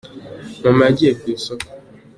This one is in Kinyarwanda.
mama yagiye kwisoko.